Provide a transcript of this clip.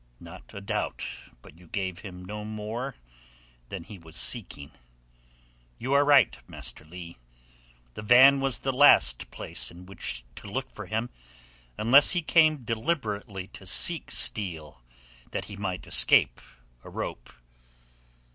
"Not a doubt but you gave him no more than he was seeking. You are right, Master Leigh; the van was the last place in which to look for him, unless he came deliberately to seek steel that he might escape a rope.